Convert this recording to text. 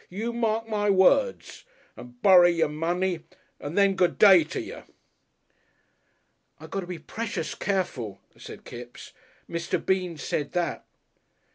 "You mark my words. And borry your money. And then, good day to ye." "I got to be precious Careful," said Kipps. "Mr. Bean said that."